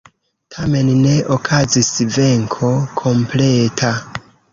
Tamen ne okazis venko kompleta.